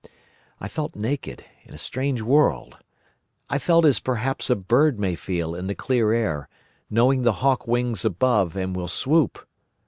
I felt naked in a strange world. I felt as perhaps a bird may feel in the clear air, knowing the hawk wings above and will swoop.